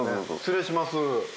失礼します。